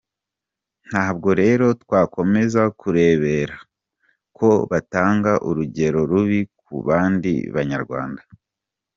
Ntabwo rero twakomeza kurebera ko batanga urugero rubi ku bandi Banyarwanda.